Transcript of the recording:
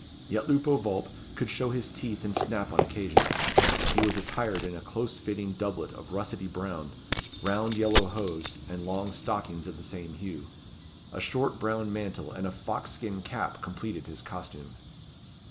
Yet Lupo Vulp could show his teeth and snap on occasions. He was attired in a close fitting doublet of russety brown, round yellow hose, and long stockings of the same hue. A short brown mantle and a fox skin cap completed his costume.